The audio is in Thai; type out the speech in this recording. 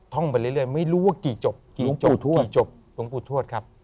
ท่องไปเรื่อยไม่รู้ว่ากี่จบกี่จบหลวงปูทวชครับ